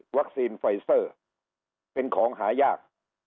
วัคซีนไฟเซอร์เป็นของหายาก